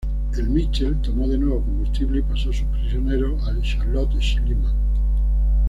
El "Michel" tomó de nuevo combustible y pasó sus prisioneros al "Charlotte Schliemann".